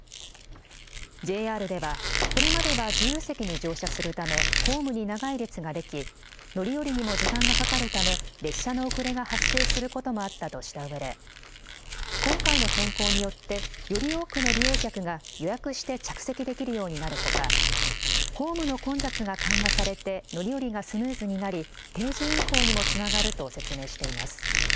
ＪＲではこれまでは自由席に乗車するためホームに長い列ができ乗り降りにも時間がかかるため列車の遅れが発生することもあったとしたうえで今回の変更によってより多くの利用客が予約して着席できるようになるほかホームの混雑が緩和されて乗り降りがスムーズになり定時運行にもつながると説明しています。